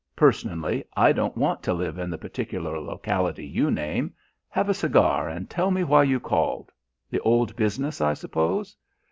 "Personally, I don't want to live in the particular locality you name. Have a cigar and tell me why you called the old business, I suppose?